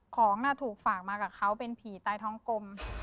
ของน่ะถูกฝากมากับเขาเป็นผีใต้ท้องกลม